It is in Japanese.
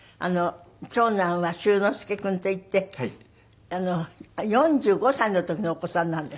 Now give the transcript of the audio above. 長男は柊乃助君といって４５歳の時のお子さんなんですって？